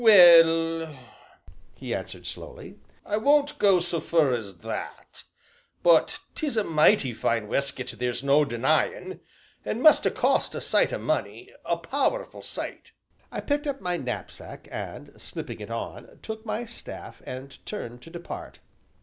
"Well," he answered slowly, "I won't go so fur as that, but 'tis a mighty fine weskit theer's no denyin', an' must ha' cost a sight o' money a powerful sight!" I picked up my knapsack and, slipping it on, took my staff, and turned to depart.